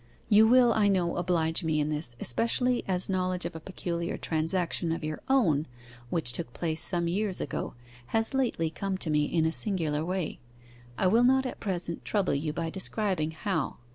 'You will, I know, oblige me in this, especially as knowledge of a peculiar transaction of your own, which took place some years ago, has lately come to me in a singular way. I will not at present trouble you by describing how.